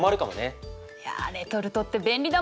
いやレトルトって便利だもんな。